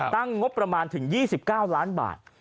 ตั้งงบประมาณถึง๒๙ล้านบาท